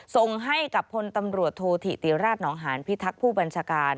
ส่งให้กับพลตำรวจโทษธิติราชหนองหานพิทักษ์ผู้บัญชาการ